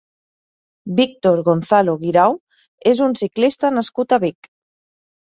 Víctor Gonzalo Guirao és un ciclista nascut a Vic.